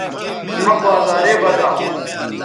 مہ بازارے بزا